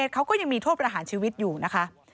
เขาก็ยังมีโทษประหารชีวิตอยู่นะคะ